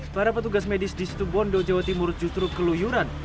para petugas medis di situ bondo jawa timur justru keluyuran